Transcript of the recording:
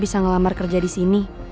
bisa ngelamar kerja di sini